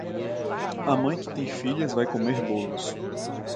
A mãe que tem filhas vai comer bolos.